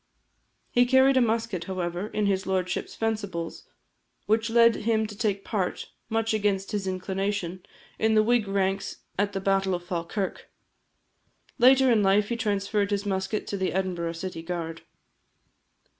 He carried a musket, however, in his lordship's fencibles; which led him to take part, much against his inclination, in the Whig ranks at the battle of Falkirk. Later in life he transferred his musket to the Edinburgh City Guard.